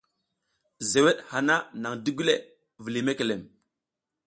Zeweɗ hana naƞ digule, vuliy mekelem.